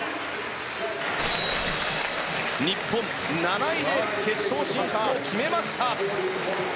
日本、７位で決勝進出を決めました。